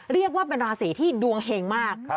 เรียกว่าเป็นราศีที่ดวงเห็งมาก